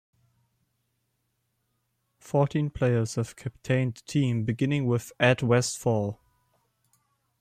Fourteen players have captained the team, beginning with Ed Westfall.